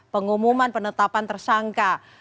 pengumuman penetapan tersangka